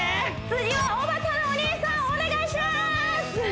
次はおばたのお兄さんお願いします！